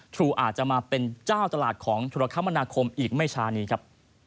ทรูอาจจะมาเป็นเจ้าตลาดของธุรกรรมนาคมอีกไม่ช้านี้ครับ